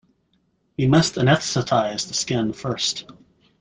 We must anaesthetize the skin first.